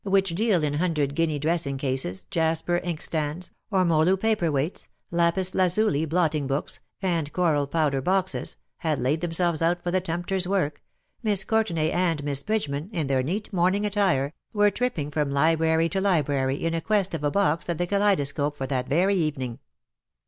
which deal in hundred guinea dressing cases_, jasper inkstands,, ormolu paper weights, lapis lazuli blot ting books^ and coral powder boxes — had laid themselves out for the tempter's work — Miss Courtenay and Miss Bridgeman, in their neat morning attire, were tripping from library to library, in quest of a box at the Kaleidoscope for that very evening.